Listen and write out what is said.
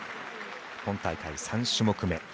今大会、３種目め。